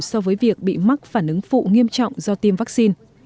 so với việc bị mắc phản ứng phụ nghiêm trọng do tiêm vaccine